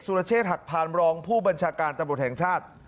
รเชษฐหักพานรองผู้บัญชาการตำรวจแห่งชาติ